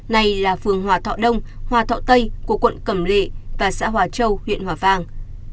này là phường hòa thọ đông hòa thọ tây của quận cẩm lệ và xã hòa châu huyện hòa vang